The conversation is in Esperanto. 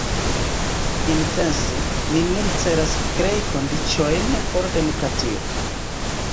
Intence ni nur celas krei kondiĉojn por demokratio.